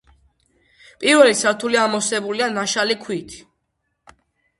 პირველი სართული ამოვსებულია ნაშალი ქვით.